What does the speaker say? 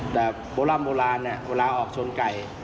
แต่โบราณโบราณเนี่ยเวลาออกชนไก่